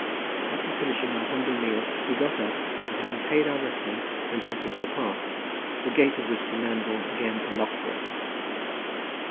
After finishing our humble meal we got up, and having paid our reckoning, went back into the park, the gate of which the landlord again unlocked for us.